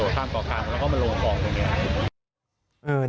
โดดข้ามของกลางแล้วก็มันลงกล่องตรงนี้